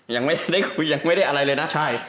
ยังไม่ได้คุยยังไม่ได้อะไรเลยนะใช่